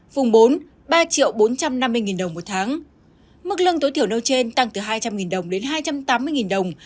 vùng bốn ba bốn trăm năm mươi đồng một tháng mức lương tối thiểu nêu trên tăng từ hai trăm linh đồng đến hai trăm tám mươi đồng